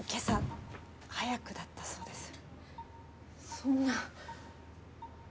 そんな。